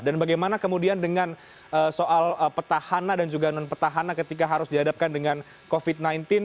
dan bagaimana kemudian dengan soal petahana dan juga non petahana ketika harus dihadapkan dengan covid sembilan belas